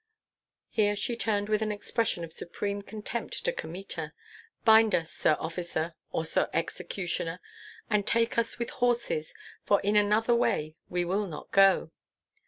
Here she turned with an expression of supreme contempt to Kmita: "Bind us, sir officer, or sir executioner, and take us with horses, for in another way we will not go."